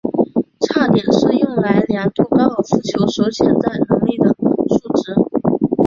差点是用来量度高尔夫球手潜在能力的数值。